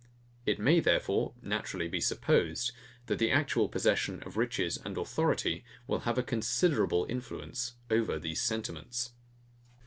It may, therefore, naturally be supposed, that the actual possession of riches and authority will have a considerable influence over these sentiments.